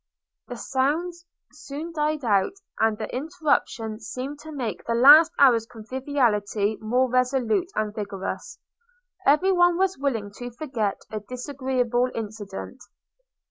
The sounds soon died out, and the interruption seemed to make the last hour's conviviality more resolute and vigorous. Every one was willing to forget a disagreeable incident.